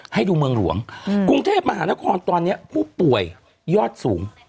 ให้ดูเมืองหลวงกรุงเทพมหานครตอนนี้ผู้ป่วยยอดสูง